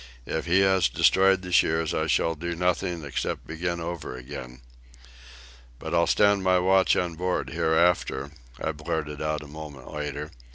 If he has destroyed the shears, I shall do nothing except begin over again." "But I'll stand my watch on board hereafter," I blurted out a moment later.